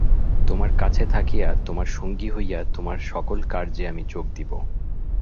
তোমার কাছে থাকিয়া তোমার সঙ্গী হইয়া তোমার সকল কার্যে আমি যোগ দিব।